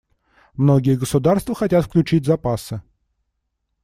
Многие государства хотят включить запасы.